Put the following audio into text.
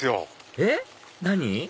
えっ？何？